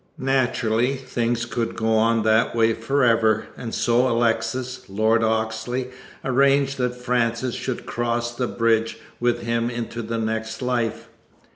Naturally, things could not go on in that way forever, and so Alexis, Lord Oxley, arranged that Frances should cross the bridge with him into the next life.